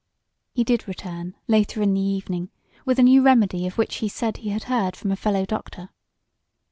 He did return, later in the evening, with a new remedy of which he said he had heard from a fellow doctor.